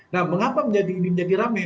nah mengapa menjadi rame